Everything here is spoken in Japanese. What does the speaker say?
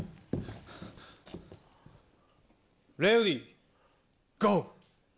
レディーゴー。